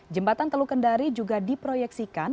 jembatan teluk kendari juga diproyeksikan